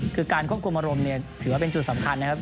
คือการควบคุมอารมณ์เนี่ยถือว่าเป็นจุดสำคัญนะครับ